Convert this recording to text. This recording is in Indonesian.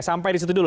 sampai di situ dulu